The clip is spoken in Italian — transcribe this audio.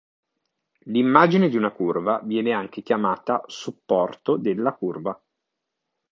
L'immagine di una curva viene anche chiamata "supporto" della curva.